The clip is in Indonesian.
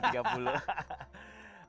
terima kasih mas